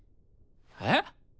えっ？